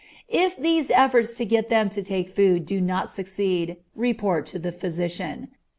If these efforts to get them to take food do not succeed, report to the physician.